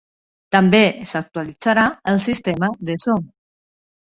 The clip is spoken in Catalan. També s'actualitzarà el sistema de so.